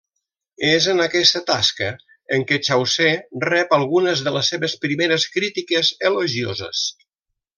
És en aquesta tasca que Chaucer rep algunes de les seves primeres crítiques elogioses.